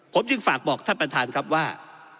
ผมจึงฝากบอกท่านประธานครับว่า